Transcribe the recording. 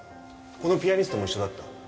このピアニストも一緒だった。